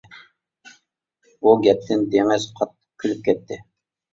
بۇ گەپتىن دېڭىز قاتتىق كۈلۈپ كەتتى.